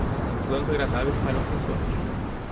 Planos agradáveis falham sem sorte.